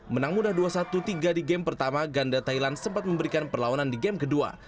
menang mudah dua satu tiga di game pertama ganda thailand sempat memberikan perlawanan di game kedua